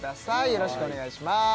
よろしくお願いします